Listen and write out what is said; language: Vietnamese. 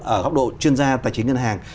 ở góc độ chuyên gia tài chính ngân hàng